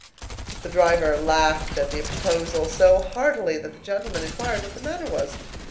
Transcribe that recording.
The driver laughed at the proposal, so heartily that the gentleman inquired what the matter was.